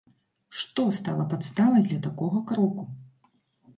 Што стала падставай для такога кроку?